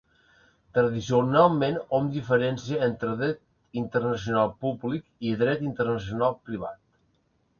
Tradicionalment, hom diferencia entre dret internacional públic i dret internacional privat.